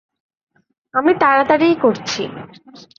আমি তাড়াতাড়িই করছি।